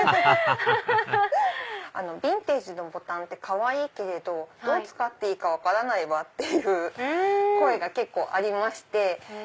アハハハハビンテージのボタンってかわいいけれどどう使っていいか分からないわっていう声が結構ありまして。